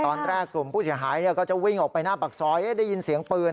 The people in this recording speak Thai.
ตอนแรกกลุ่มผู้เสียหายก็จะวิ่งออกไปหน้าปากซอยได้ยินเสียงปืน